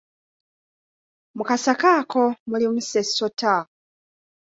Mu kasaka ako mulimu ssessota.